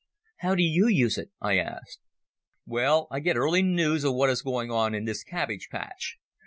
"How do you use it?" I asked. "Well, I get early noos of what is going on in this cabbage patch.